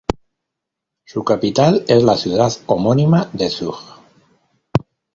Su capital es la ciudad homónima de Zug.